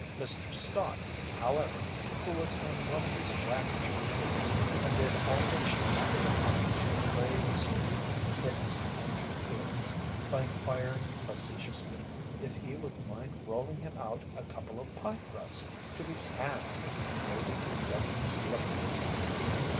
Mr. Stott, however, who was in one of his waggish moods, undid all that she might have accomplished in the way of soothing Hicks' injured feelings, by inquiring facetiously if he would mind rolling him out a couple of pie crusts to be tanned and made into bedroom slippers.